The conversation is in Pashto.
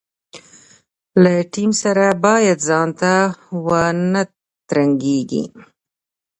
له ټیم سره باید ځانته ونه ترنګېږي.